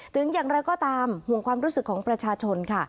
ถึงอย่างไรก็ตามห่วงความรู้สึกของประชาชนค่ะ